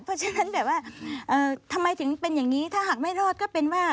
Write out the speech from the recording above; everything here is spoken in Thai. เพราะฉะนั้นแบบว่าทำไมถึงเป็นอย่างนี้ถ้าหากไม่รอดก็เป็นว่า